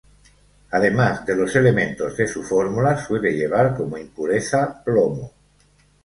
Además de los elementos de su fórmula, suele llevar como impureza plomo.